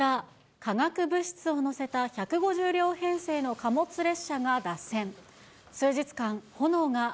化学物質を載せた１５０両編成の貨物列車が脱線。